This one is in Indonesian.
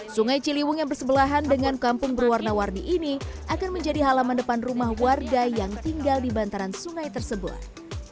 sungai ciliwung yang bersebelahan dengan kampung berwarna warni ini akan menjadi halaman depan rumah warga yang tinggal di bantaran sungai tersebut